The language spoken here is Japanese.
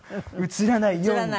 写らないように。